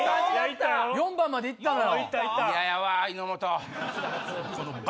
４番までいったのよ。